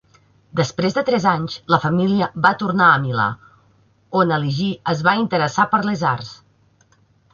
Després de tres anys, la família va tornar a Milà, on Aligi es va interessar per les arts.